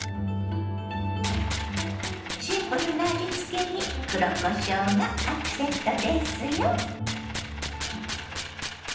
シンプルな味つけに黒こしょうがアクセントですよ。